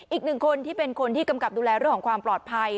อีกหนึ่งคนที่เป็นคนที่กำกับดูแลเรื่องของความปลอดภัย